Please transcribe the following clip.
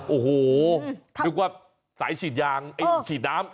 โอ้โหนึกว่าสายฉีดยางไอ้ฉีดน้ำ